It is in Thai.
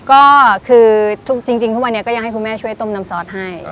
ก็คือจริงทุกวันนี้ก็ยังให้คุณแม่ช่วยต้มน้ำซอสให้